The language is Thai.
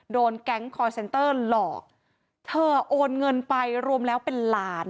โดนแก๊งคอร์เซนเตอร์หลอกเธอโอนเงินไปรวมแล้วเป็นล้าน